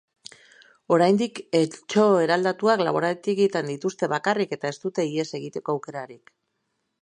Oraindik eltxo eraldatuak laborategietan dituzte bakarrik eta ez dute ihes egiteko aukerarik.